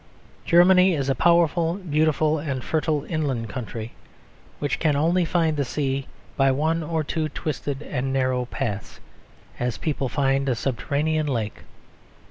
Germany is a powerful, beautiful and fertile inland country, which can only find the sea by one or two twisted and narrow paths, as people find a subterranean lake.